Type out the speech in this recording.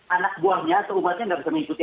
anak buahnya atau umatnya nggak bisa mengikuti